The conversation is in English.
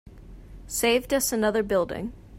Saved us another building.